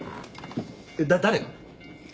誰が？